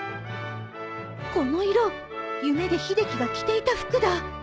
この色夢で秀樹が着ていた服だ